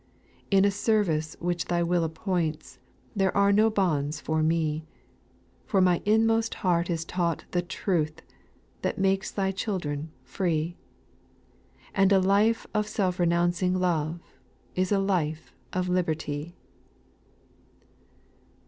/ 8. / In a service which Thy will appoints, There are no bonds for me, For my inmost heart is taught " the truth,'* That makes Thy children "free ;" And a lite of self renouncing love Is a life of liberty.